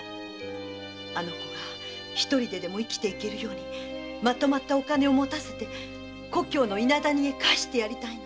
あの子が独りででも生きていけるようにまとまったお金を持たせて故郷の伊那谷へ帰してやりたいの。